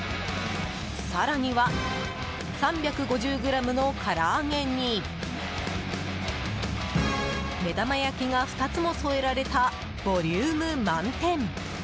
更には、３５０ｇの唐揚げに目玉焼きが２つも添えられたボリューム満点！